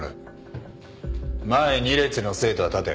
前２列の生徒は立て。